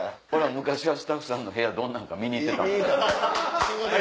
昔はスタッフさんの部屋どんなんか見に行ってたもん。